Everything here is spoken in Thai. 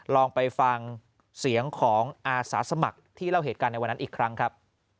ลองไปฟังเสียงของอาสาสมัครที่เล่าเหตุการณ์ในวันนั้นอีกครั้งครับ